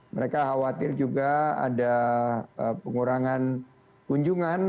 mereka khawatir juga ada pengurangan kunjungan